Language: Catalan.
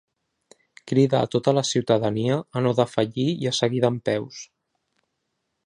“Crida a tota la ciutadania a no defallir i a seguir dempeus”